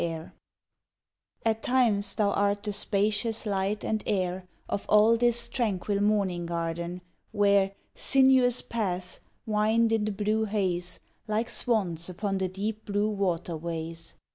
VI At times thou art the spacious light and air Of all this tranquil morning garden, where Sinuous paths wind in the blue haze Like swans upon the deep blue water ways.